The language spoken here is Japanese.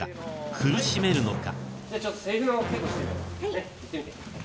苦しめるのか？］